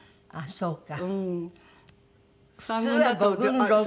そうか。